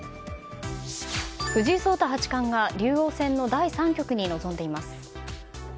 藤井聡太八冠が竜王戦の第３局に臨んでいます。